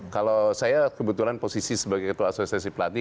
kalau saya kebetulan posisi sebagai ketua asosiasi pelatih